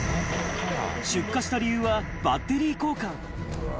出火した理由は、バッテリー交換。